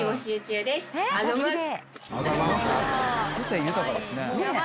個性豊かですね。